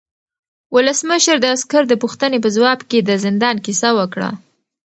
ولسمشر د عسکر د پوښتنې په ځواب کې د زندان کیسه وکړه.